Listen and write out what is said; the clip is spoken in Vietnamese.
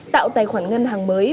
tạo tài khoản ngân hàng mới